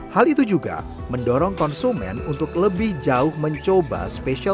hal itu juga mendorong konsumen untuk lebih jauh mencoba special